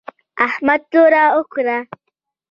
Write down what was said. احمد توره وکړه